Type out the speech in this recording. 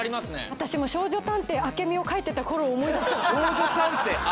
私も「少女探偵明美」を描いてた頃を思い出して。